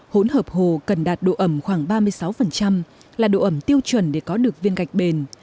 hỗn hợp hồ cần đạt độ ẩm khoảng ba mươi sáu là độ ẩm tiêu chuẩn để có được viên gạch bền